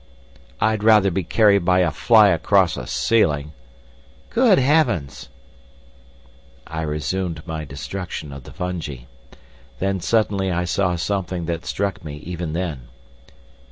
"I'd rather be carried by a fly across a ceiling." "Good Heavens!" I resumed my destruction of the fungi. Then suddenly I saw something that struck me even then.